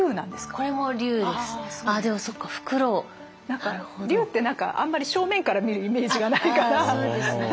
何か竜ってあんまり正面から見るイメージがないから。